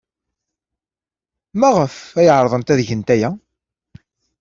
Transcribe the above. Maɣef ay ɛerḍent ad gent aya?